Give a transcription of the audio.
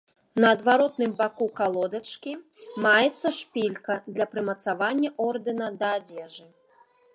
На адваротным баку калодачкі маецца шпілька для прымацавання ордэна да адзежы.